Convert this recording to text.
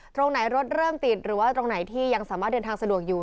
ตรงไหนรถเริ่มติดหรือว่าตรงไหนที่ยังสามารถเดินทางสะดวกอยู่